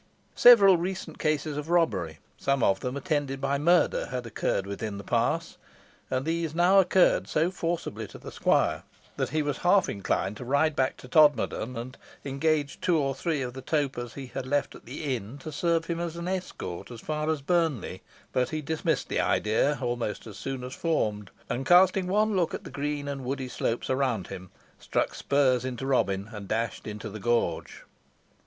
Several recent cases of robbery, some of them attended by murder, had occurred within the pass; and these now occurred so forcibly to the squire, that he was half inclined to ride back to Todmorden, and engage two or three of the topers he had left at the inn to serve him as an escort as far as Burnley, but he dismissed the idea almost as soon as formed, and, casting one look at the green and woody slopes around him, struck spurs into Robin, and dashed into the gorge.